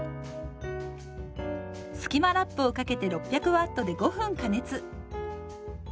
スキマラップをかけて６００Ｗで５分加熱。